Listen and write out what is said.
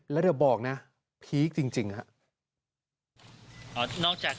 แล้วเดี๋ยวบอกนะพีคจริงครับ